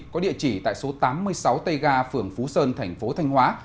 có địa chỉ tại số tám mươi sáu t ga phường phú sơn thành phố thanh hóa